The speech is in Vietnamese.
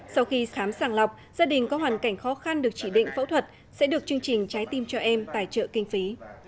sau khi khám sàng lọc gia đình có hoàn cảnh khó khăn được chỉ định phẫu thuật sẽ được chương trình trái tim cho em tài trợ kinh phí